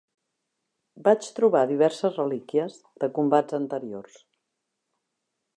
Vaig trobar diverses relíquies de combats anteriors